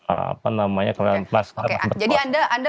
apa namanya jadi anda